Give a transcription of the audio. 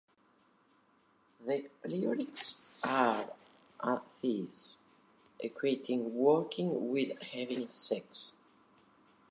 The lyrics are a tease, equating "working" with having sex.